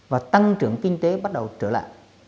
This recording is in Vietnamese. và tăng trưởng kinh tế bắt đầu trở lại